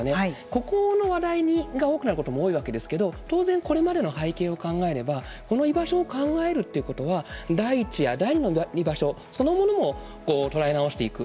ここの話題が多くなることも多いわけですけど当然これまでの背景を考えればこの居場所を考えるということは第１や第２の居場所そのものを捉え直していく。